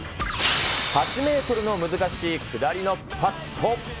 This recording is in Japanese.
８メートルの難しい下りのパット。